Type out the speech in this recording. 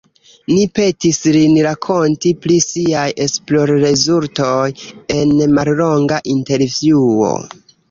Ni petis lin rakonti pri siaj esplorrezultoj en mallonga intervjuo.